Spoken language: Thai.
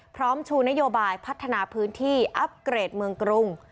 ชูนโยบายพัฒนาพื้นที่อัพเกรดเมืองกรุง